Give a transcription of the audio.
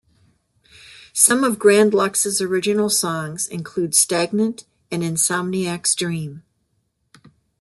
Some of Grand Luxx's original songs include "Stagnant" and "Insomniac's Dream.